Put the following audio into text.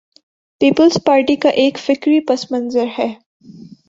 Peoples Party کا ایک فکری پس منظر ہے۔